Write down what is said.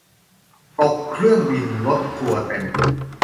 ตกเครื่องบิน รถทัวร์เต็ม